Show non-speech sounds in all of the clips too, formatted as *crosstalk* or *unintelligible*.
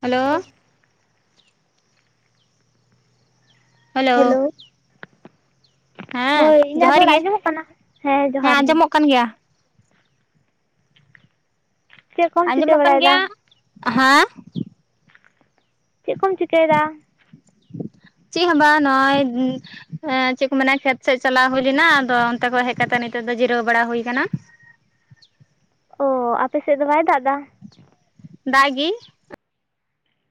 Hello hello ᱦᱮᱸ ᱦᱳᱭ ᱤᱧᱟᱹᱜ ᱡᱚᱦᱟᱨ ᱨᱚᱲ ᱜᱮ ᱟᱸᱡᱚᱢᱚᱜ ᱠᱟᱱᱟ ᱦᱮᱸ ᱡᱚᱦᱟᱨ ᱜᱮ ᱠᱟᱱ ᱜᱮᱭᱟ ᱪᱮᱫ ᱠᱚᱢ ᱪᱤᱠᱟᱹ ᱟᱸᱡᱚᱢᱚᱜ ᱠᱟᱱ ᱵᱟᱲᱟᱭᱮᱫᱟ ᱜᱮᱭᱟ ᱦᱮᱸ ᱪᱮᱫ ᱠᱚᱢ ᱪᱤᱠᱟᱹᱭᱮᱫᱟ *inaudible* ᱪᱮᱫ ᱦᱚᱸ ᱵᱟᱝ ᱱᱚᱜᱼᱚᱭ ᱮᱸ ᱪᱮᱫ ᱠᱚ ᱢᱮᱱᱟ ᱠᱷᱮᱛ ᱥᱮᱮᱫ ᱪᱟᱞᱟᱣ ᱦᱩᱭ ᱞᱮᱱᱟ ᱟᱫᱚ ᱚᱱᱛᱮ ᱠᱷᱚᱱ ᱦᱮᱡ ᱠᱟᱛᱮᱜ ᱱᱤᱛᱚᱜ ᱫᱚ ᱡᱤᱨᱟᱹᱣ ᱵᱟᱲᱟ ᱦᱩᱭ ᱟᱠᱟᱱᱟ ᱚᱻ ᱟᱯᱮ ᱥᱮᱫ ᱫᱚ ᱵᱟᱭ ᱫᱟᱜ ᱮᱫᱟ᱾ *inaudible* ᱫᱟᱜ ᱜᱤ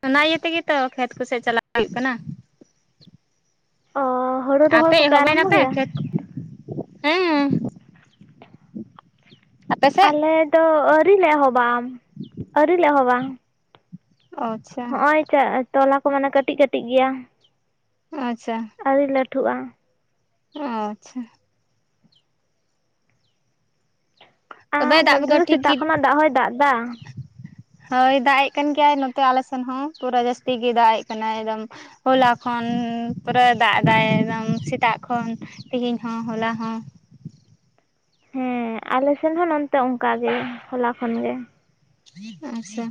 ᱚᱱᱟ ᱤᱭᱟᱹ ᱛᱮᱜᱮᱛᱚ ᱠᱷᱮᱛ ᱠᱚᱥᱮᱫ ᱪᱟᱞᱟᱜ ᱦᱩᱭᱩᱜ ᱠᱟᱱᱟ᱾ ᱚ ᱦᱩᱲᱩ ᱨᱚᱦᱚᱩ ᱟᱯᱮ ᱠᱚᱯᱮ ᱮᱦᱚᱵ ᱟᱨᱟᱢᱵᱚ ᱮᱱᱟᱯᱮ ᱠᱮᱫᱟ ᱠᱷᱮᱛ ᱦᱮᱸ ᱟᱯᱮ ᱥᱮᱫ ᱟᱞᱮ ᱫᱚ ᱟᱹᱣᱨᱤ ᱞᱮ ᱮᱦᱚᱵᱟ ᱟᱹᱣᱨᱤ ᱞᱮ ᱮᱦᱚᱵᱟ ᱚ ᱦᱚᱜᱚᱭ ᱪᱟᱜ ᱛᱚᱞᱟ ᱠᱚ ᱢᱟᱱᱮ ᱠᱟᱹᱴᱤᱡ ᱠᱟᱹᱴᱤᱡ ᱜᱮᱭᱟ ᱟᱪᱷᱟ ᱟᱣᱨᱤ ᱞᱟᱹᱴᱷᱩᱼᱟ ᱟᱪᱪᱷᱟ ᱛᱚᱵᱮ ᱟᱨ ᱫᱟᱜ ᱱᱚᱛᱮ ᱠᱚᱫᱚ ᱫᱚ ᱴᱷᱤᱠ ᱜᱮ ᱥᱮᱛᱟᱜ ᱠᱷᱚᱱᱟᱜ ᱫᱟᱜ ᱦᱚᱭ ᱫᱟᱜ ᱮᱫᱟ ᱦᱳᱭ ᱫᱟᱜ ᱮᱜ ᱠᱟᱱ ᱜᱮᱭᱟᱭ ᱱᱚᱛᱮ ᱟᱞᱮ ᱥᱮᱱ ᱦᱚ ᱯᱩᱨᱟᱹ ᱡᱟᱹᱥᱛᱤ ᱜᱮᱭ ᱫᱟᱜ ᱮᱜ ᱠᱟᱱᱟᱭ ᱮᱠᱫᱚᱢ ᱦᱚᱞᱟ ᱠᱷᱚᱱ ᱯᱩᱨᱟᱹ ᱫᱟᱜ ᱮᱫᱟᱭ ᱮᱠᱫᱚᱢ ᱥᱮᱛᱟᱜ ᱠᱷᱚᱱ ᱛᱮᱦᱮᱧ ᱦᱚᱸ ᱦᱚᱞᱟ ᱦᱚᱸ ᱦᱮ ᱟᱞᱮ ᱥᱮᱱ ᱦᱚᱸ ᱱᱚᱱᱛᱮ ᱚᱱᱠᱟ ᱜᱮ ᱦᱚᱞᱟ ᱠᱷᱚᱱ ᱜᱮ ᱟᱪᱪᱷᱟ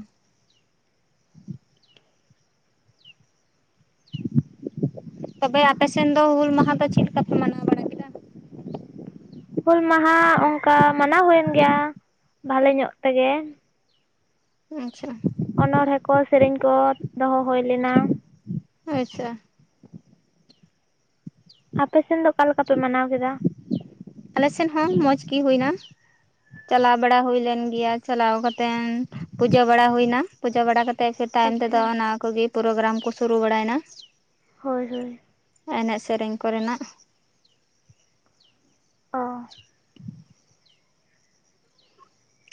ᱛᱚᱵᱮ ᱟᱯᱮ ᱥᱮᱱ ᱫᱚ ᱦᱩᱞ ᱢᱟᱦᱟ ᱫᱚ ᱪᱮᱫ ᱞᱮᱠᱟ ᱯᱮ ᱢᱟᱱᱟᱣ ᱵᱟᱲᱟᱭ ᱦᱩᱞ ᱢᱟᱦᱟ ᱚᱱᱠᱟ ᱢᱟᱱᱟᱣ ᱦᱩᱭᱮᱱ ᱜᱮᱭᱟ ᱵᱷᱟᱞᱮ ᱧᱚᱜ ᱛᱮᱜᱮ ᱟᱪᱷᱟ ᱚᱱᱚ ᱴᱷᱮᱠᱚ ᱥᱮᱨᱮᱧ ᱠᱚ ᱫᱚᱦᱚ ᱦᱩᱭ ᱞᱮᱱᱟ *inaudible* ᱟᱪᱪᱷᱟ ᱟᱯᱮᱥᱮᱱ ᱫᱚ ᱚᱠᱟ ᱞᱮᱠᱟ ᱯᱮ ᱢᱟᱱᱟᱣ ᱠᱮᱫᱟ ᱟᱞᱮᱥᱮᱫ ᱦᱚᱸ ᱢᱚᱸᱡᱽ ᱜᱤ ᱦᱩᱭ ᱮᱱᱟ ᱪᱟᱞᱟᱣ ᱵᱟᱲᱟ ᱦᱩᱭ ᱞᱮᱱ ᱜᱮᱭᱟ ᱪᱟᱞᱟᱣ ᱠᱟᱛᱮᱱ ᱯᱩᱡᱟᱹ ᱵᱟᱲᱟ ᱦᱩᱭᱱᱟ ᱯᱩᱡᱟᱹ ᱵᱟᱲᱟ ᱠᱟᱛ ᱛᱮ ᱥᱮᱛᱟᱜ ᱮᱱᱛᱮᱫᱚ ᱟᱪᱪᱷᱟ ᱚᱱᱟ ᱠᱚᱜᱮ ᱯᱨᱳᱜᱮᱨᱟᱢ ᱠᱚ ᱥᱩᱨᱩ ᱵᱟᱲᱟᱭᱮᱱᱟ ᱦᱳᱭ ᱦᱳᱭ ᱮᱱᱮᱡ ᱥᱮᱨᱮᱧ ᱠᱚᱨᱮᱱᱟᱜ ᱚ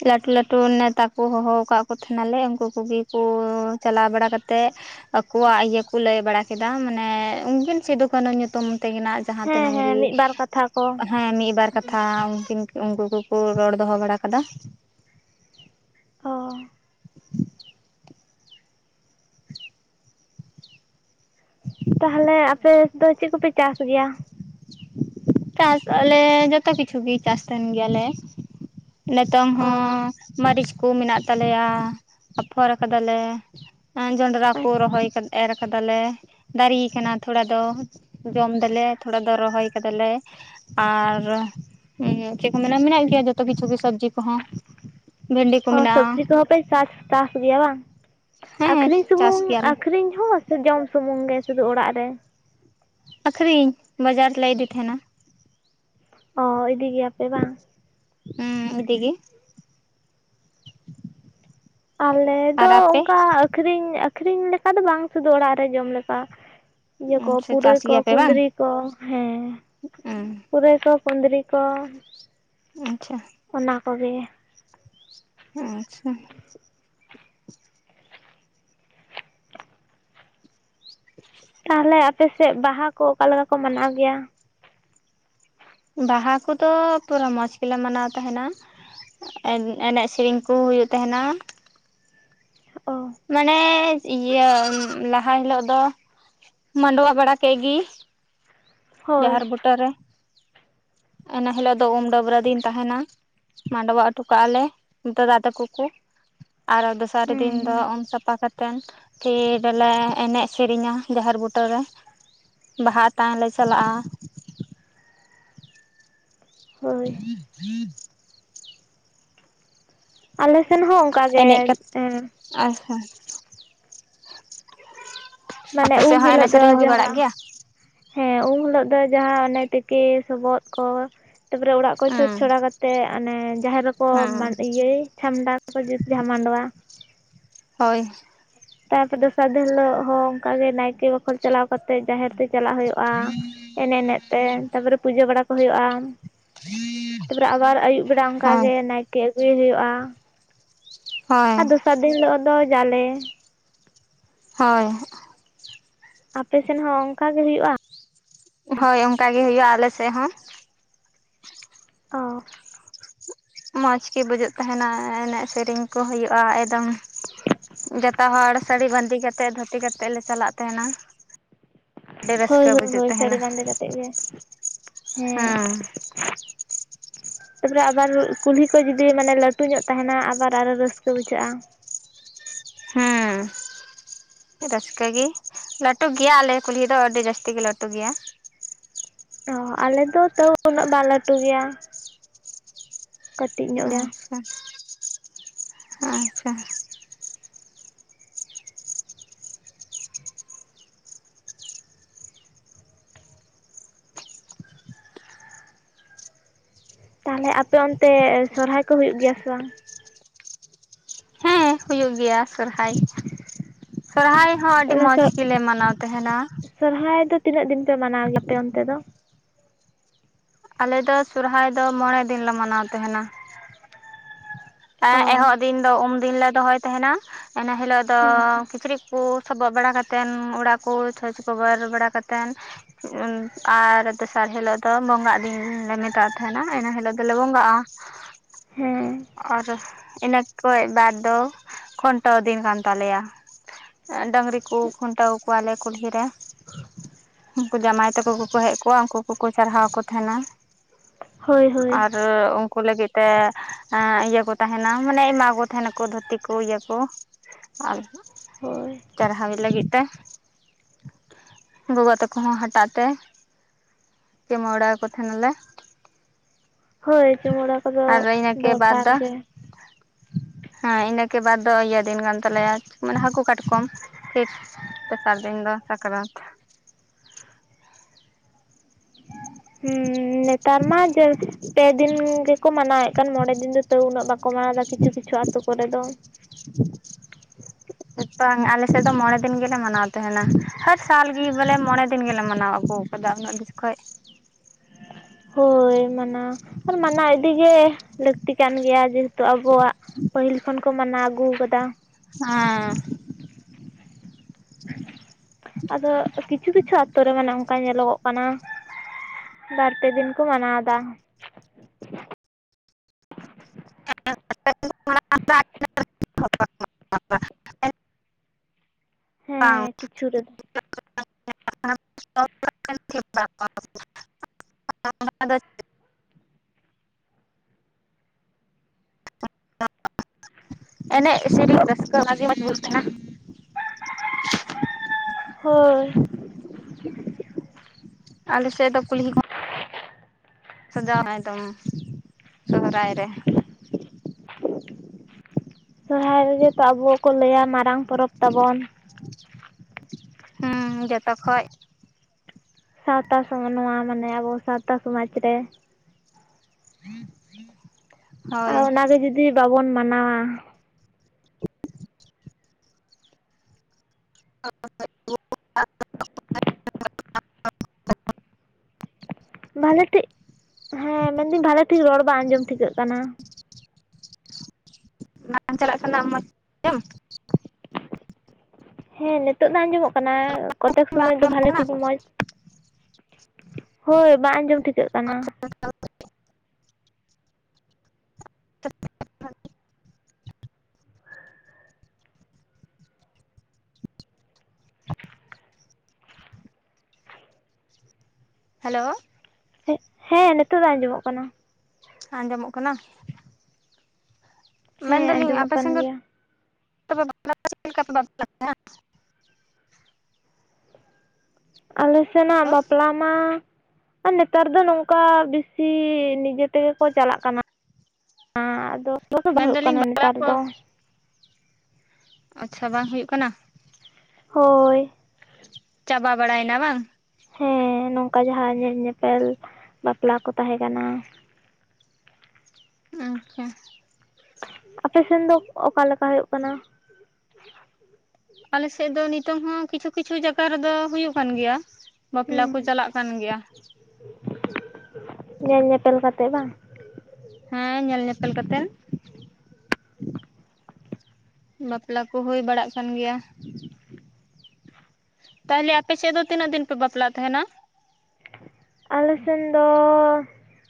ᱞᱟᱹᱴᱩ ᱞᱟᱹᱴᱩ ᱱᱮᱛᱟ ᱠᱚ ᱦᱚᱦᱚ ᱟᱠᱟᱫ ᱠᱚ ᱛᱟᱦᱮᱸᱱᱟᱞᱮ ᱩᱱᱠᱩ ᱠᱚᱜᱮ ᱠᱚ ᱪᱟᱞᱟᱣ ᱵᱟᱲᱟ ᱠᱟᱛᱮᱫ ᱟᱠᱚᱣᱟᱜ ᱤᱭᱟᱹ ᱠᱚ ᱞᱟᱹᱭ ᱵᱟᱲᱟ ᱠᱮᱫᱟ ᱢᱟᱱᱮ ᱩᱱᱠᱤᱱ ᱥᱤᱫᱩ ᱠᱟᱹᱱᱩ ᱧᱩᱛᱩᱢ ᱛᱮᱜᱮ ᱱᱟᱜ ᱡᱟᱦᱟᱸ ᱦᱮᱸ ᱛᱤᱱᱟᱹᱝ ᱜᱮ ᱦᱮᱸ ᱢᱤᱫ ᱵᱟᱨ ᱠᱟᱛᱷᱟ ᱠᱚ ᱦᱮᱸ ᱢᱤᱫᱵᱟᱨ ᱠᱟᱛᱷᱟ ᱩᱱᱠᱤᱱ ᱩᱱᱝᱠᱩ ᱠᱚᱠᱚ ᱨᱚᱲ ᱫᱚᱦᱚ ᱵᱟᱲᱟ ᱟᱠᱟᱫ ᱚ *inaudible* ᱛᱟᱦᱚᱞᱮ ᱟᱯᱮ ᱫᱚ ᱪᱮᱫ ᱠᱚᱯᱮ ᱪᱟᱥ ᱜᱮᱭᱟ ᱪᱟᱥ ᱟᱞᱮ ᱡᱚᱛᱚ ᱠᱤᱪᱷᱩ ᱜᱮ ᱪᱟᱥ ᱛᱟᱦᱮᱱ ᱜᱮᱭᱟᱞᱮ ᱱᱤᱛᱚᱝ ᱚ ᱦᱚᱸ ᱢᱟᱹᱨᱤᱪ ᱠᱚ ᱢᱮᱱᱟᱜ ᱛᱟᱞᱮᱭᱟ ᱟᱯᱷᱚᱨ ᱟᱠᱟᱫᱟᱞᱮ ᱡᱚᱱᱰᱨᱟ ᱠᱚ ᱨᱚᱦᱚᱭ ᱟᱪᱪᱷᱟ ᱠᱟᱫᱮ ᱮᱨᱨᱟ ᱠᱟᱫᱟᱞᱮ ᱫᱟᱨᱤᱭ ᱠᱟᱱᱟ ᱛᱷᱚᱲᱟ ᱫᱚ ᱡᱚᱢ ᱫᱟᱞᱮ ᱛᱷᱚᱲᱟ ᱫᱚ ᱨᱚᱦᱚᱭ ᱠᱟᱫᱟᱞᱮ ᱟᱨ ᱪᱮᱫ ᱠᱚ ᱢᱮᱱᱟ ᱢᱮᱱᱟᱜ ᱜᱮᱭᱟ ᱡᱚᱛᱚ ᱠᱤᱪᱷᱩ ᱜᱮ ᱥᱚᱵᱡᱤ ᱠᱚᱦᱚ ᱚ ᱥᱚᱵᱽᱡᱤ ᱠᱚᱦᱚᱸ ᱯᱮ ᱪᱟᱥ ᱪᱟᱥ ᱜᱮᱭᱟ ᱵᱟᱝ ᱦᱮᱸ ᱟᱹᱠᱷᱨᱤᱧ ᱪᱟᱥ ᱥᱩᱢᱩᱝ ᱜᱮᱭᱟᱞᱮ ᱟᱹᱠᱷᱨᱤᱧ ᱦᱚᱸ ᱥᱮ ᱡᱚᱢ ᱥᱩᱢᱩᱝ ᱜᱮ ᱥᱩᱫᱷᱩ ᱚᱲᱟᱜ ᱨᱮ ᱟᱠᱷᱨᱤᱧ ᱵᱟᱡᱟᱨ ᱞᱮ ᱤᱫᱤ ᱛᱟᱦᱮᱱᱟ ᱚᱻ ᱤᱫᱤ ᱜᱮᱭᱟᱯᱮ ᱵᱟᱝ ᱦᱩᱸ ᱤᱫᱤ ᱜᱮ ᱟᱞᱮ ᱫᱚ ᱟᱨ ᱟᱯᱮ ᱚᱱᱠᱟ ᱟᱹᱷᱨᱤᱧ ᱞᱮᱠᱟ ᱫᱚ ᱵᱟᱝ ᱥᱩᱫᱩ ᱚᱲᱟᱜ ᱨᱮ ᱡᱚᱢ ᱞᱮᱠᱟ ᱤᱭᱟᱹ ᱠᱚ ᱥᱮ ᱯᱩᱨᱟᱹᱭ ᱪᱟᱥ ᱠᱚ ᱜᱮᱭᱟᱯᱮ ᱵᱟᱝ ᱠᱩᱸᱫᱽᱨᱤ ᱠᱚ ᱦᱮᱸ ᱯᱩᱨᱟᱹᱭ ᱠᱚ ᱠᱩᱱᱫᱨᱤ ᱠᱚ ᱟᱪᱪᱷᱟ ᱚᱱᱟ ᱠᱚᱜᱮ ᱟᱪᱪᱷᱟ *inaudible* ᱛᱟᱦᱚᱞᱮ ᱟᱯᱮᱥᱮᱫ ᱵᱟᱦᱟ ᱠᱚ ᱚᱠᱟᱞᱮᱠᱟ ᱠᱚ ᱢᱟᱱᱟᱣ ᱜᱮᱭᱟ ᱵᱟᱦᱟ ᱠᱚᱫᱚ ᱯᱩᱨᱟᱹ ᱢᱚᱸᱡᱽ ᱜᱮᱞᱮ ᱢᱟᱱᱟᱣ ᱛᱟᱦᱮᱱᱟ ᱮᱱᱮᱡ ᱥᱮᱨᱮᱧ ᱠᱩ ᱦᱩᱭᱩᱜ ᱛᱟᱦᱮᱱᱟ ᱚ ᱢᱟᱱᱮ ᱤᱭᱟᱹ ᱞᱟᱦᱟ ᱦᱤᱞᱳᱜ ᱫᱚ ᱢᱟᱱᱰᱣᱟ ᱵᱟᱲᱟ ᱠᱮᱫ ᱜᱮ ᱦᱳᱭ ᱡᱟᱦᱮᱨ ᱵᱩᱴᱟᱹᱨᱮ ᱤᱱᱟ. ᱦᱤᱞᱳᱜ ᱫᱚ ᱩᱢᱼ ᱰᱟᱹᱵᱽᱨᱟᱹ ᱫᱤᱱ ᱛᱟᱦᱮᱱᱟ᱾ ᱢᱟᱱᱰᱣᱟ ᱦᱚᱴᱚ ᱠᱟᱜᱼᱟ ᱞᱮ ᱫᱟᱫᱟ ᱛᱟᱠᱚ ᱠᱚ ᱟᱨ ᱫᱚᱥᱟᱨ ᱦᱩᱸ ᱫᱤᱱ ᱫᱚ ᱦᱩᱸ ᱩᱢ ᱥᱟᱯᱷᱟ ᱠᱟᱛᱮ *inaudible* ᱮᱱᱮᱡ ᱥᱮᱨᱮᱧᱟ ᱡᱟᱦᱮᱨ ᱵᱩᱴᱟᱹᱨᱮ ᱵᱟᱦᱟ ᱟᱛᱟᱝ ᱞᱮ ᱪᱟᱞᱟᱜᱼᱟ ᱦᱳᱭ *unintelligible* ᱟᱞᱮ ᱥᱮᱱ ᱦᱚᱸ ᱚᱱᱠᱟᱜᱮ ᱮᱱᱮᱡ ᱠᱟᱛᱮ ᱟᱪᱪᱷᱟ ᱢᱟᱱᱮ ᱟᱯᱮ ᱩᱢ ᱥᱮᱫ ᱦᱚᱸ ᱦᱤᱞᱳᱜ ᱮᱱᱮᱡ ᱫᱚ ᱥᱮᱨᱮᱧ ᱦᱩᱭ ᱵᱟᱲᱟᱜ ᱡᱟᱦᱟᱸ ᱜᱮᱭᱟ ᱦᱮᱸ ᱩᱱ ᱦᱤᱞᱚᱜ ᱫᱚ ᱡᱟᱦᱟᱸ ᱚᱱᱮ ᱛᱤᱠᱤ ᱥᱚᱵᱚᱫ ᱠᱚ ᱛᱟᱯᱚᱨᱮ ᱚᱲᱟᱜ ᱠᱚ ᱪᱷᱚᱸᱪ ᱦᱮᱸ ᱪᱷᱚᱲᱟ ᱠᱟᱛᱮᱫ ᱚᱱᱮ ᱡᱟᱦᱮᱨ ᱨᱮᱠᱚ ᱦᱮᱸ ᱤᱭᱟᱹᱭ ᱪᱷᱟᱢᱰᱟ ᱠᱚ ᱡᱩᱛ ᱡᱟᱦᱟᱸ ᱢᱟᱱᱰᱣᱟ ᱦᱳᱭ ᱛᱟᱨᱯᱚᱨᱮ ᱫᱚᱥᱟᱨ ᱫᱤᱱ ᱦᱤᱞᱳᱜ ᱦᱚᱸ ᱚᱱᱠᱟᱜᱮ ᱱᱟᱭᱠᱮ ᱵᱟᱠᱷᱳᱚᱞ ᱪᱟᱞᱟᱣ ᱠᱟᱛᱮᱜ ᱡᱟᱦᱮᱨ ᱛᱮ ᱪᱟᱞᱟᱣ ᱦᱩᱭᱩᱜᱼᱟ᱾ ᱮᱱᱮᱡ ᱮᱱᱮᱡ ᱛᱮ ᱛᱟᱯᱚᱨᱮ ᱯᱩᱡᱟᱹ ᱵᱟᱲᱟ ᱠᱚ ᱦᱩᱭᱩᱜᱼᱟ ᱛᱟᱯᱚᱨᱮ ᱟᱵᱟᱨ ᱟᱭᱩᱵ ᱵᱮᱲᱟ ᱚᱱᱠᱟ ᱦᱳᱭ ᱜᱮ ᱱᱟᱭᱠᱮ ᱟᱜᱩᱭᱮ ᱦᱩᱭᱩᱜᱼᱟ᱾ ᱦᱳᱭ ᱟᱨ ᱫᱚᱥᱟᱨ ᱫᱤᱱ ᱦᱤᱞᱳᱜ ᱫᱚ ᱡᱟᱞᱮ ᱦᱳᱭ ᱟᱯᱮᱥᱮᱱ ᱦᱚᱸ ᱚᱱᱠᱟ ᱜᱮ ᱦᱩᱭᱩᱜᱼᱟ ᱦᱳᱭ ᱚᱱᱠᱟ ᱜᱮ ᱦᱩᱭᱩᱜ ᱟ ᱟᱞᱮᱥᱮᱫ ᱦᱚᱸ ᱚ ᱢᱚᱡᱽ ᱜᱮ ᱵᱩᱡᱩᱜ ᱛᱟᱦᱮᱱᱟ ᱮᱱᱮᱡ ᱥᱮᱨᱮᱧ ᱠᱚ ᱦᱩᱭᱩᱜᱼᱟ ᱮᱠᱫᱚᱢ ᱡᱚᱛᱚ ᱦᱚᱲ ᱥᱟᱹᱲᱤ ᱵᱟᱸᱫᱮ ᱠᱟᱛᱮᱫ ᱫᱷᱩᱛᱤ ᱠᱟᱛᱮᱫ ᱞᱮ ᱪᱟᱞᱟᱜ ᱛᱟᱦᱮᱱᱟ᱾ ᱟᱹᱰᱤ ᱦᱳᱭ ᱨᱟᱹᱥᱠᱟᱹ ᱦᱳᱭ ᱵᱩᱡᱩᱜ ᱦᱳᱭ ᱥᱟᱹᱲᱤ ᱛᱟᱦᱮᱱᱟ ᱵᱟᱸᱫᱮ ᱠᱟᱛᱮᱫ ᱜᱮ ᱦᱮᱸ ᱛᱟᱯᱚᱨᱮ ᱟᱵᱟᱨ ᱠᱩᱞᱦᱤ ᱠᱚ ᱡᱩᱫᱤ ᱢᱟᱱᱮ ᱞᱟᱹᱴᱩ ᱧᱚᱜ ᱛᱟᱦᱮᱱᱟ ᱟᱵᱟᱨ ᱟᱨᱚ ᱨᱟᱹᱥᱠᱟᱹ ᱵᱩᱡᱷᱟᱹᱜᱼᱟ᱾ ᱦᱮᱸ ᱨᱟᱹᱥᱠᱟᱹ ᱜᱮ ᱞᱟᱹᱴᱩ ᱜᱮᱭᱟ ᱟᱞᱮ ᱠᱩᱞᱦᱤ ᱫᱚ ᱟᱹᱰᱤ ᱡᱟᱹᱥᱛᱤ ᱜᱮ ᱞᱟᱹᱴᱩ ᱜᱮᱭᱟ ᱚ ᱟᱞᱮ ᱫᱚ ᱛᱟᱹᱣ ᱩᱱᱟᱹᱜ ᱵᱟᱝ ᱞᱟᱹᱴᱩ ᱜᱮᱭᱟ ᱠᱟᱹᱴᱤᱡ ᱧᱚᱜ ᱜᱮᱭᱟ *inaudible* ᱦᱮᱸ ᱦᱮᱸ ᱛᱟᱦᱚᱞᱮ ᱟᱯᱮ ᱚᱱᱛᱮ ᱥᱚᱨᱦᱟᱭ ᱠᱚ ᱦᱩᱭᱩᱜ ᱜᱮᱭᱟ ᱥᱮ ᱵᱟᱝ? ᱦᱮᱸ ᱦᱩᱭᱩᱜ ᱜᱮᱭᱟ ᱥᱚᱨᱦᱟᱭ ᱥᱚᱨᱦᱟᱭ ᱦᱚᱸ ᱟᱹᱰᱤ ᱛᱟᱦᱚᱞᱮ ᱢᱚᱡᱽ ᱥᱚᱨ ᱜᱮᱞᱮ ᱢᱟᱱᱟᱣ ᱛᱟᱦᱮᱱᱟ ᱥᱚᱨᱦᱟᱭ ᱫᱚ ᱛᱤᱱᱟᱹᱜ ᱫᱤᱱ ᱯᱮ ᱢᱟᱱᱟᱣ ᱜᱮᱭᱟᱯᱮ ᱚᱱᱛᱮ ᱫᱚ ᱟᱞᱮ ᱫᱚ ᱥᱚᱨᱦᱟᱭ ᱫᱚ ᱢᱚᱬᱮ ᱫᱤᱱ ᱞᱮᱮ ᱢᱟᱱᱟᱣ ᱛᱟᱦᱮᱱᱟ᱾ ᱮᱦᱚᱵ ᱚ ᱫᱤᱱ ᱫᱚ ᱩᱢ ᱫᱤᱱ ᱞᱮ ᱫᱚᱦᱚᱭ ᱛᱟᱦᱮᱱᱟ ᱤᱱᱟᱹ ᱦᱤᱞᱳᱜ ᱫᱚ ᱦᱮᱸ ᱠᱤᱪᱨᱤᱡ ᱠᱚ ᱥᱚᱵᱚᱜ ᱵᱟᱲᱟ ᱠᱟᱛᱮᱱ ᱚᱲᱟᱜ ᱠᱚ ᱪᱷᱚᱸᱪ ᱪᱷᱚᱵᱚᱨ ᱵᱟᱲᱟ ᱠᱟᱛᱮᱱ ᱟᱨ ᱫᱚᱥᱟᱨ ᱦᱤᱞᱳᱜ ᱫᱚ ᱵᱚᱸᱜᱟᱜ ᱫᱤᱱ ᱞᱮ ᱢᱮᱛᱟᱜ ᱛᱟᱦᱮᱱᱟ ᱤᱱᱟᱹ ᱦᱤᱞᱳᱜ ᱫᱚᱞᱮ ᱵᱚᱸᱜᱟᱜᱼᱟ ᱦᱮᱸ ᱟᱨ ᱤᱱᱟᱹ ᱠᱷᱚᱡ ᱵᱟᱫᱽ ᱫᱚ ᱠᱷᱩᱱᱴᱟᱹᱣ ᱫᱤᱱ ᱠᱟᱱ ᱛᱟᱞᱮᱭᱟ ᱰᱟᱹᱝᱨᱤ ᱠᱚ ᱠᱷᱩᱱᱴᱟᱹᱣ ᱠᱚᱣᱟᱞᱮ ᱠᱩᱞᱦᱤ ᱨᱮ ᱩᱱᱠᱩ ᱡᱟᱶᱟᱭ ᱛᱟᱠᱚ ᱠᱚᱠᱚ ᱦᱮᱡ ᱠᱚᱜᱼᱟ ᱩᱱᱠᱩ ᱠᱚᱠᱚ ᱥᱟᱨᱦᱟᱣ ᱠᱚ ᱛᱟᱦᱮᱱᱟ ᱦᱳᱭ ᱦᱳᱭ *inaudible* ᱩᱱᱠᱩ ᱞᱟᱹᱜᱤᱫ ᱛᱮ ᱮᱸᱻ ᱤᱭᱟᱹ ᱠᱚ ᱛᱟᱦᱮᱱᱟ ᱢᱟᱱᱮ ᱮᱢᱟ ᱠᱚ ᱛᱟᱦᱮᱱᱟᱠᱚ ᱫᱷᱩᱛᱤ ᱠᱚ ᱤᱭᱟᱹ ᱠᱚ ᱟᱨ ᱦᱳᱭ ᱪᱟᱨᱦᱟᱣᱤ ᱞᱟᱹᱜᱤᱫ ᱛᱮ ᱜᱚᱜᱚ ᱛᱟᱠᱚ ᱦᱚᱸ ᱦᱟᱴᱟᱜ ᱛᱮ ᱪᱩᱢᱟᱹᱲ ᱟᱠᱚ ᱛᱟᱦᱮᱱᱟᱞᱮ ᱦᱳᱭ ᱪᱩᱢᱟᱹᱲᱟ ᱠᱚᱫᱚ ᱟᱨ ᱤᱱᱟᱹᱠᱮ ᱵᱟᱫᱽ ᱫᱚᱨᱠᱟᱨ ᱫᱚ ᱜᱮ ᱦᱮᱸ ᱤᱱᱟᱹ ᱠᱮ ᱵᱟᱫ ᱫᱚ ᱤᱭᱟᱹ ᱫᱤᱱ ᱠᱟᱱ ᱛᱟᱞᱮᱭᱟ ᱢᱟᱱᱮ ᱦᱟᱹᱠᱩ ᱠᱟᱴᱠᱚᱢ *inaudible* ᱛᱮᱥᱟᱨ ᱫᱤᱱ ᱫᱚ ᱥᱟᱠᱨᱟᱛ ᱦᱩᱸ ᱱᱮᱛᱟᱨ ᱢᱟ ᱡᱟ ᱼᱼ ᱯᱮ ᱫᱤᱱ ᱜᱮᱠᱚ ᱢᱟᱱᱟᱣᱮᱫ ᱠᱟᱱ ᱢᱚᱬᱮ ᱫᱤᱱ ᱫᱚ ᱛᱟᱹᱣ ᱩᱱᱟᱹᱜ ᱵᱟᱠᱚ ᱢᱟᱱᱟᱣᱮᱫᱟ ᱠᱤᱪᱷᱩ ᱠᱤᱪᱷᱩ ᱟᱹᱛᱳ ᱠᱚᱨᱮ ᱫᱚ *inaudible* ᱵᱟᱝ ᱟᱞᱮ ᱥᱮᱫ ᱫᱚ ᱢᱚᱬᱮ ᱫᱤᱱ ᱜᱮᱞᱮ ᱢᱟᱱᱟᱣ ᱛᱟᱦᱮᱱᱟ ᱦᱚᱨ ᱥᱟᱞ ᱜᱮ ᱵᱚᱞᱮ ᱢᱚᱬᱮ ᱫᱤᱱ ᱜᱮᱞᱮ ᱢᱟᱱᱟᱣᱟ ᱟᱹᱜᱩ ᱼᱼ ᱠᱟᱫᱟ ᱩᱱᱟᱹᱜ *inaudible* ᱦᱳᱭ ᱢᱟᱱᱟ ᱟᱨ ᱢᱟᱱᱟᱣ ᱤᱫᱤᱜᱮ ᱞᱟᱹᱠᱛᱤ ᱠᱟᱱ ᱜᱮᱭᱟ ᱡᱮᱦᱮ ᱼᱼ ᱛᱚ ᱟᱵᱚᱣᱟᱜ ᱯᱟᱹᱦᱤᱞ ᱠᱷᱚᱱ ᱠᱚ ᱢᱟᱱᱟᱣ ᱟᱹᱜᱩ ᱠᱟᱫᱟ. ᱚᱸᱻᱚᱸ ᱟᱫᱚ ᱠᱤᱪᱷᱩ ᱠᱤᱪᱷᱩ ᱟᱛᱳ ᱨᱮ ᱢᱟᱱᱮ ᱚᱱᱠᱟ ᱧᱮᱞᱚᱜᱚᱜ ᱠᱟᱱᱟ ᱵᱟᱨᱯᱮ ᱫᱤᱱ ᱠᱚ ᱢᱟᱱᱟᱣᱫᱟ *inaudible* ᱦᱮᱸ ᱠᱤᱪᱷᱩ ᱨᱮᱫᱚ *inaudible* *unintelligible* *inaudible* ᱮᱱᱮᱡ ᱥᱮᱨᱮᱧ ᱨᱟᱹᱥᱠᱟᱹ ᱚᱱᱟ ᱜᱮ ᱢᱚᱡᱽ *inaudible* ᱛᱟᱦᱮᱱᱟ ᱦᱳᱭ ᱟᱞᱮ ᱥᱮᱫ ᱫᱚ ᱠᱩᱞᱦᱤ ᱠᱚ ᱥᱟᱡᱟᱣᱟ ᱮᱫᱚᱢ ᱥᱚᱦᱚᱨᱟᱭ ᱨᱮ ᱥᱚᱦᱚᱨᱟᱭ ᱨᱮᱜᱮ ᱛᱚ ᱟᱵᱚ ᱠᱚ ᱞᱟᱹᱭᱟ ᱢᱟᱨᱟᱝ ᱯᱚᱨᱚᱵᱽ ᱛᱟᱵᱚᱱ ᱦᱩᱢᱻ ᱡᱚᱛᱚ ᱠᱷᱚᱡ ᱥᱟᱶᱛᱟ ᱥᱚᱢᱟᱱ ᱱᱚᱣᱟ ᱢᱟᱱᱮ ᱟᱵᱚ ᱥᱟᱶᱛᱟ ᱥᱚᱢᱟᱡᱽ ᱨᱮ ᱦᱳᱭ ᱟᱨ ᱚᱱᱟᱜᱮ ᱡᱩᱫᱤ ᱵᱟᱵᱚᱱ ᱢᱟᱱᱟᱣᱟ *inaudible* ᱵᱷᱟᱞᱮ ᱴᱷᱤᱡ ᱦᱮᱸ ᱢᱮᱱᱫᱟᱹᱧ ᱵᱷᱟᱞᱮ ᱴᱷᱤᱠ ᱨᱚᱲ ᱵᱟᱝ ᱟᱸᱡᱚᱢ ᱴᱷᱤᱠᱟᱹᱜ ᱠᱟᱱᱟ *inaudible* ᱪᱟᱞᱟᱜ ᱠᱟᱱᱟ ᱢᱚᱡ *inaudible* ᱛᱮᱢ ᱦᱮᱸ ᱱᱤᱛᱳᱜᱱᱟ ᱟᱸᱡᱚᱢᱚᱜ ᱠᱟᱱᱟ ᱠᱚᱛᱮᱠ ᱵᱟᱝ ᱥᱚᱢᱚᱭ ᱫᱚ ᱟᱸᱡᱚᱢᱚᱜ ᱵᱷᱟᱞᱮ ᱠᱟᱱᱟ ᱴᱷᱤᱠ ᱢᱚᱸᱡᱽ ᱦᱳᱭ ᱵᱟᱝ ᱟᱸᱡᱚᱢ ᱴᱷᱤᱠᱟᱹᱜ ᱠᱟᱱᱟ *inaudible* *unintelligible* ᱦᱮᱞᱳ ᱦᱮᱸ ᱱᱤᱛᱚᱜ ᱫᱚ ᱟᱸᱡᱚᱢᱚᱜ ᱠᱟᱱᱟ ᱟᱸᱡᱚᱢᱚᱜ ᱠᱟᱱᱟ ᱦᱮᱸ ᱢᱮᱱᱫᱟᱞᱤᱧ ᱟᱸᱡᱚᱢᱚᱜ ᱟᱯᱮ ᱠᱟᱱ ᱥᱮᱱ ᱫᱚ ᱜᱮᱭᱟ ᱛᱚᱵᱮ *inaudible* ᱟᱞᱮ ᱥᱮᱱᱟᱜ ᱫᱚ ᱵᱟᱯᱞᱟ ᱢᱟ ᱟᱨ ᱱᱮᱛᱟᱨ ᱫᱚ ᱱᱚᱝᱠᱟ ᱵᱤᱥᱤ ᱱᱤᱡᱮ ᱛᱮᱜᱮ ᱠᱚ ᱪᱟᱞᱟᱜ ᱠᱟᱱᱟ ᱦᱮᱸ ᱟᱫᱚ *inaudible* ᱵᱟᱝ ᱦᱳᱭᱳᱜ ᱢᱮᱱᱫᱟᱞᱤᱧ ᱠᱟᱱᱟ ᱵᱟᱯᱞᱟ ᱱᱮᱛᱟᱨ ᱠᱚ ᱫᱚ ᱟᱪᱪᱷᱟ ᱵᱟᱝ ᱦᱩᱭᱩᱜ ᱠᱟᱱᱟ ᱦᱳᱭ ᱪᱟᱵᱟ ᱵᱟᱲᱟᱭᱱᱟ ᱵᱟᱝ? ᱦᱮᱸ ᱱᱚᱝᱠᱟ ᱡᱟᱦᱟᱸ ᱧᱮᱞ ᱧᱮᱯᱮᱞ ᱵᱟᱯᱞᱟ ᱠᱚ ᱛᱟᱦᱮᱸ ᱠᱟᱱᱟ ᱟᱪᱪᱷᱟ ᱟᱯᱮᱥᱮᱱ ᱫᱚ ᱚᱠᱟᱞᱮᱠᱟ ᱦᱳᱭᱳᱜ ᱠᱟᱱᱟ? ᱟᱞᱮᱥᱮᱫ ᱫᱚ ᱱᱤᱛᱚᱝ ᱦᱚᱸ ᱠᱤᱪᱷᱩ ᱠᱤᱪᱷᱩ ᱡᱟᱜᱟ ᱨᱮᱫᱚ ᱦᱩᱭᱩᱜ ᱠᱟᱱ ᱜᱮᱭᱟ ᱵᱟᱯᱞᱟ ᱠᱚ ᱦᱩᱸ ᱪᱟᱞᱟᱜ ᱠᱟᱱ ᱜᱮᱭᱟ *inaudible* ᱧᱮᱞ ᱧᱮᱯᱮᱞ ᱠᱟᱛᱮ ᱵᱟᱝ ᱦᱮᱸ ᱧᱮᱞ ᱧᱮᱯᱮᱞ ᱠᱟᱛᱮᱱ ᱵᱟᱯᱞᱟ ᱠᱩ ᱦᱩᱭ ᱵᱟᱲᱟᱜ ᱠᱟᱱ ᱜᱮᱭᱟ ᱛᱟᱦᱚᱞᱮ ᱟᱯᱮ ᱥᱮᱫ ᱫᱚ, ᱛᱤᱱᱟᱹᱜ ᱫᱤᱱ ᱯᱮ ᱵᱟᱯᱞᱟᱜ ᱛᱟᱦᱮᱱᱟ? ᱟᱞᱮ ᱥᱮᱱ ᱫᱚ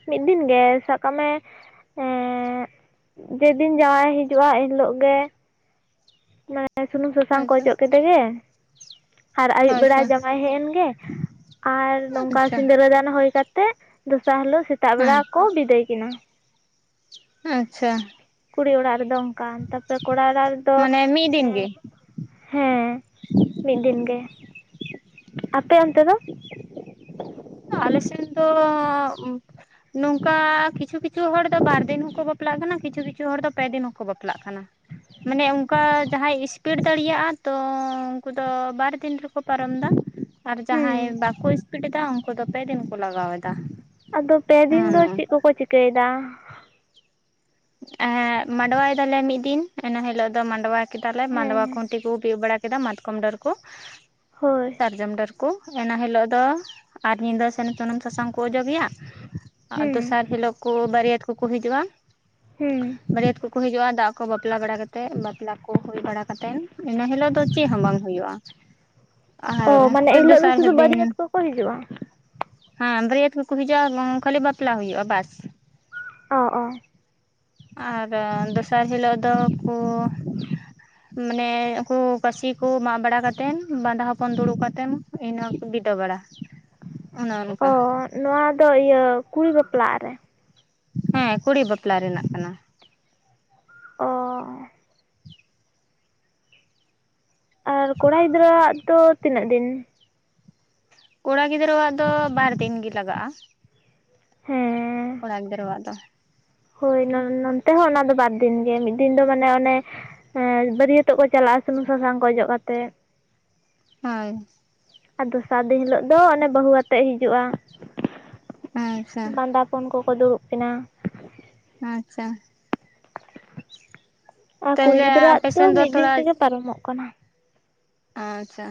ᱢᱤᱫ ᱫᱤᱱ ᱜᱮ ᱥᱟᱵ ᱠᱟᱜ ᱢᱮᱸ ᱡᱮ ᱫᱤᱱ ᱡᱟᱣᱟᱭ ᱦᱤᱡᱩᱜ-ᱟ ᱮᱱ ᱦᱤᱞᱳᱜ ᱜᱮ ᱢᱟᱱᱮ ᱥᱩᱱᱩᱢ ᱥᱟᱥᱟᱝ ᱠᱚ ᱟᱪᱪᱷᱟ ᱚᱡᱚᱜ ᱠᱮᱫᱮ ᱜᱮ ᱟᱨ ᱟᱭᱩᱵ ᱵᱮᱲᱟ ᱟᱪᱪᱷᱟ ᱡᱟᱣᱟᱭ ᱦᱮᱡ ᱮᱱ ᱜᱮ ᱟᱨ ᱱᱚᱝᱠᱟ ᱟᱪᱪᱷᱟ ᱥᱤᱸᱫᱽᱨᱟᱹᱫᱟᱱ ᱦᱳᱭ ᱠᱟᱛᱮᱜ ᱫᱚᱥᱟᱨ ᱦᱤᱞᱳᱜ ᱥᱮᱛᱟᱜ ᱵᱮᱲᱟ ᱦᱮᱸ ᱠᱚ ᱵᱤᱫᱟᱹᱭ ᱠᱤᱱᱟ ᱟᱪᱷᱟ ᱠᱩᱲᱤ ᱚᱲᱟᱜ ᱨᱮ ᱫᱚ ᱚᱱᱠᱟᱱ ᱛᱟᱨᱯᱚ ᱨᱮ ᱠᱚᱲᱟ ᱚᱲᱟᱜ ᱨᱮᱫᱚ ᱢᱟᱱᱮ ᱢᱤᱫ ᱫᱤᱱ ᱮᱜ ᱜᱮ ᱦᱮᱸ ᱢᱤᱫ ᱫᱤᱱ ᱜᱮ ᱟᱯᱮ ᱚᱱᱛᱮ ᱫᱚ ᱟᱞᱮ ᱥᱮᱱ ᱫᱚ ᱱᱚᱝᱠᱟ ᱠᱤᱪᱷᱩ ᱠᱤᱪᱷᱩ ᱦᱚᱲ ᱫᱚ ᱵᱟᱨ ᱫᱤᱱ ᱦᱚᱸ ᱠᱚ ᱵᱟᱯᱞᱟᱜ ᱠᱟᱱᱟ ᱠᱤᱪᱷᱩ ᱠᱤᱪᱷᱩ ᱦᱚᱲ ᱫᱚ ᱯᱮ ᱫᱤᱱ ᱦᱚᱸ ᱠᱚ ᱵᱟᱯᱞᱟᱜ ᱠᱟᱱᱟ ᱢᱟᱱᱮ ᱚᱱᱠᱟ ᱡᱟᱦᱟᱭ ᱤᱥᱯᱤᱰ ᱫᱟᱲᱤᱭᱟᱜ-ᱟ ᱛᱚ ᱩᱱᱠᱩ ᱫᱚ ᱵᱟᱨ ᱫᱤᱱ ᱨᱮ ᱠᱚ ᱯᱟᱨᱚᱢ ᱫᱟ ᱟᱨ ᱦᱩᱸ ᱡᱟᱦᱟᱭ ᱵᱟᱠᱚ ᱤᱥᱯᱤᱴ ᱮᱫᱟᱹ ᱩᱱᱠᱩ ᱫᱚ ᱯᱮ ᱫᱤᱱ ᱠᱚ ᱞᱟᱜᱟᱣ ᱮᱫᱟᱹ ᱟᱫᱚ ᱯᱮ ᱫᱤᱱ ᱫᱚ ᱪᱮᱫ ᱠᱚᱠᱚ ᱪᱤᱠᱟ ᱭᱮᱫᱟᱹ ᱮ ᱢᱟᱸᱰᱣᱟᱭ ᱭᱮᱫᱟᱞᱮ ᱢᱤᱫ ᱫᱤᱱ ᱤᱱᱟ ᱦᱤᱞᱳᱜ ᱫᱚ ᱢᱟᱸᱰᱣᱟ ᱠᱮᱫᱟᱞᱮ ᱢᱟᱸᱰᱣᱟ ᱦᱮᱸ ᱠᱷᱩᱱᱴᱤ ᱠᱚ ᱵᱤᱫ ᱵᱟᱲᱟ ᱠᱮᱫ ᱠᱮᱫᱟ ᱢᱟᱛᱠᱚᱢ ᱰᱟᱹᱨ ᱠᱚ ᱦᱳᱭ ᱥᱟᱨᱡᱚᱢ ᱰᱟᱹᱨ ᱠᱚ, ᱮᱱᱟ ᱦᱤᱞᱳᱜ ᱫᱚ, ᱟᱨ ᱧᱤᱫᱟᱹ ᱥᱮᱱ ᱥᱩᱱᱩᱢ ᱥᱟᱥᱟᱝ ᱠᱚ ᱚᱡᱚ ᱜᱮᱭᱟ᱾ ᱟᱨ ᱦᱩᱸ ᱫᱚᱥᱟᱨ ᱦᱤᱞᱳᱜ ᱠᱚ ᱵᱟᱹᱨᱭᱟᱹᱛ ᱠᱚᱠᱚ ᱦᱤᱡᱩᱜ-ᱟ ᱦᱮᱸ ᱵᱟᱹᱨᱭᱟᱹᱛ ᱠᱚᱠᱚ ᱦᱤᱡᱩᱜ-ᱟ ᱫᱟᱜ ᱠᱚ ᱵᱟᱯᱞᱟ ᱵᱟᱲᱟ ᱠᱟᱛᱮᱫ ᱵᱟᱯᱞᱟ ᱠᱚ ᱦᱩᱭ ᱵᱟᱲᱟ ᱠᱟᱛᱮᱫ ᱤᱱᱟᱹ ᱦᱤᱞᱳᱜ ᱫᱚ ᱪᱮᱫ ᱦᱚᱸ ᱵᱟᱝ ᱦᱩᱭᱩᱜ-ᱟ ᱚ ᱢᱟᱱᱮ ᱮᱱᱦᱤᱞᱳᱜ ᱫᱚ ᱥᱩᱫᱩ ᱫᱤᱱ ᱵᱟᱹᱨᱭᱟᱹᱛ ᱠᱚᱠᱚ ᱦᱤᱡᱩᱜ-ᱟ? ᱦᱮᱸ ᱵᱟᱹᱨᱭᱟᱹᱛ ᱠᱚᱠᱚ ᱦᱤᱡᱩᱜ-ᱟ ᱠᱷᱟᱞᱤ ᱵᱟᱯᱞᱟ ᱦᱩᱭᱩᱜ-ᱟ ᱵᱟᱥ ᱚ ᱚ ᱟᱨ ᱫᱚᱥᱟᱨ ᱦᱤᱞᱳᱜ ᱫᱚ ᱠᱩ ᱢᱟᱱᱮ ᱩᱜᱠᱩ ᱠᱟᱹᱥᱤ ᱠᱚ ᱢᱟᱜ ᱵᱟᱲᱟ ᱠᱟᱛᱮᱫ ᱵᱟᱸᱫᱟ ᱦᱚᱯᱚᱱ ᱫᱩᱲᱩᱵ ᱠᱟᱛᱮᱢ ᱤᱱᱟ ᱠᱚ ᱵᱤᱫᱟᱹ ᱵᱟᱲᱟ ᱚᱱᱮ ᱚ ᱚᱱᱠᱟ ᱱᱚᱣᱟ ᱫᱚ ᱤᱭᱟᱹ ᱠᱩᱲᱤ ᱵᱟᱯᱞᱟᱜ ᱨᱮ᱾ ᱦᱮᱸ ᱠᱩᱲᱤ, ᱵᱟᱯᱞᱟ ᱨᱮᱱᱟᱜ ᱠᱟᱱᱟ᱾ ᱚ ᱟᱨ ᱠᱚᱲᱟ ᱜᱤᱫᱽᱨᱟᱹ ᱣᱟᱜ ᱫᱚ ᱛᱤᱱᱟᱹᱜ ᱫᱤᱱ? ᱠᱚᱲᱟ ᱜᱤᱫᱽᱨᱟᱹᱣᱟᱜ ᱫᱚ, ᱵᱟᱨ ᱫᱤᱱ ᱜᱮ ᱞᱟᱜᱟᱜ-ᱟ᱾ ᱦᱮᱸ ᱠᱚᱲᱟ ᱜᱤᱫᱽᱨᱟᱹ ᱣᱟᱜ ᱫᱚ ᱦᱳᱭ ᱱᱚᱱ ᱛᱮ ᱦᱚᱸ ᱚᱱᱟ ᱫᱚ ᱵᱟᱨ ᱫᱤᱱ ᱜᱮ ᱢᱤᱫ ᱫᱤᱱ ᱫᱚ ᱢᱟᱱᱮ ᱚᱱᱮ ᱦᱮᱸ ᱵᱟᱹᱨᱭᱟᱹᱛ ᱚᱜ ᱠᱚ ᱪᱟᱞᱟᱜ-ᱟ ᱥᱩᱱᱩᱢ ᱥᱟᱥᱟᱝ ᱠᱚ ᱚᱡᱚᱜ ᱠᱟᱛᱮᱫ ᱦᱩ ᱟᱨ ᱫᱚᱥᱟᱨ ᱫᱤᱱ ᱦᱤᱞᱳᱜ ᱫᱚ, ᱚᱱᱮ ᱵᱟᱦᱩ ᱟᱛᱮᱜ ᱦᱤᱡᱩᱜ-ᱟ᱾ ᱟᱪᱪᱷᱟ ᱵᱟᱸᱫᱟ ᱯᱚᱱ ᱠᱚᱠᱚ ᱫᱩᱲᱩᱵ ᱠᱤᱱᱟ ᱟᱸᱪᱷᱟ ᱟᱨ ᱠᱩᱲᱤ ᱛᱟᱦᱚᱞᱮ ᱜᱤᱫᱽᱨᱟᱹ ᱣᱟᱜ ᱟᱯᱮ ᱫᱚ ᱥᱮᱱ ᱢᱤᱫ ᱫᱤᱱ ᱛᱷᱚᱲᱟ ᱛᱮ ᱜᱮ ᱯᱟᱨᱚᱢᱚᱜ ᱠᱟᱱᱟ ᱟᱪᱪᱷᱟ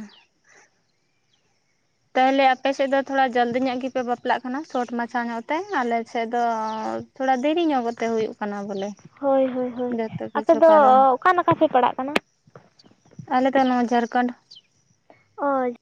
ᱛᱟᱦᱟᱞᱮ ᱟᱯᱮ ᱥᱮᱫ ᱫᱚ ᱛᱷᱚᱲᱟ ᱡᱚᱞᱫᱤ ᱧᱚᱜ ᱜᱮᱯᱮ ᱵᱟᱯᱞᱟᱜ ᱠᱟᱱᱟ, ᱥᱚᱴ ᱢᱟᱪᱷᱟ ᱧᱚᱜ ᱛᱮ, ᱟᱞᱮ ᱥᱮᱫ ᱫᱚ ᱛᱷᱚᱲᱟ ᱫᱤᱨᱤ ᱧᱚᱜ ᱠᱟᱛᱮ ᱦᱩᱭᱩᱜ ᱠᱟᱱᱟ ᱵᱚᱞᱮ ᱦᱳᱭ ᱦᱳᱭ ᱦᱳᱭ ᱡᱚᱛᱚ ᱟᱯᱮ ᱠᱤᱪᱷᱩ ᱫᱚ ᱯᱟᱨᱚᱢ ᱚᱠᱟ ᱱᱟᱠᱷᱟ ᱯᱮ ᱯᱟᱲᱟᱜ ᱠᱟᱱᱟ ᱟᱞᱮ ᱫᱚ ᱱᱚᱣᱟ ᱡᱷᱟᱨᱠᱷᱚᱱᱰ ᱚ